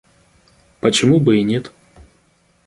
Почему бы и нет?